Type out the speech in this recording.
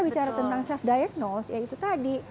bicara tentang self diagnose ya itu tadi